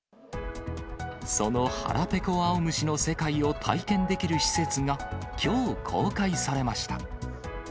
そのはらぺこあおむしの世界を体験できる施設がきょう公開されました。